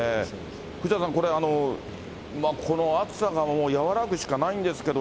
藤田さん、これ、この暑さが和らぐしかないんですけど、